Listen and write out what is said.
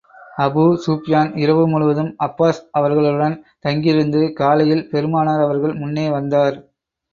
Abu Sufyan இரவு முழுதும் Abbas அவர்களுடன் தங்கியிருந்து, காலையில் பெருமானார் அவர்கள் முன்னே வந்தார்.